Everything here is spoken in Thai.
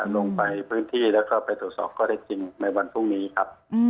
ลงไปพื้นที่แล้วก็ไปตรวจสอบข้อได้จริงในวันพรุ่งนี้ครับ